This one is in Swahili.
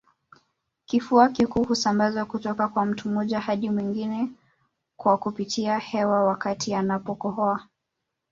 Kifua kikuu husambazwa kutoka kwa mtu mmoja hadi mwingine kwa kupitia hewa wakati anapokohoa